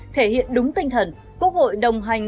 thể hiện đúng tinh thần quốc hội đồng hành